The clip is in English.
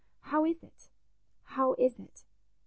How is it? How is it?